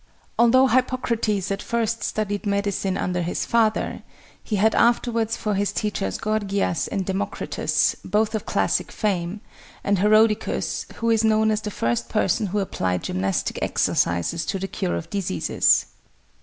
Although Hippocrates at first studied medicine under his father, he had afterwards for his teachers Gorgias and Democritus, both of classic fame, and Herodicus, who is known as the first person who applied gymnastic exercises to the cure of diseases.